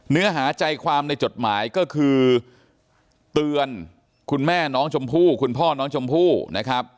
เนื้อหาใจความในจดหมายก็คือเตือนคุณแม่น้องชมพู่คุณพ่อน้องชมพู่นะครับ